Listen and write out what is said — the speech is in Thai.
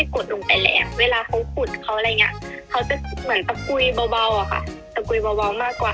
ก็วางชั่งที่เกาเบา